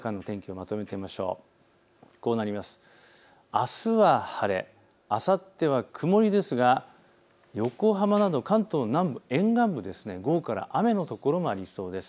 あすは晴れ、あさっては曇りですが横浜など関東南部、沿岸部、午後から雨の所もありそうです。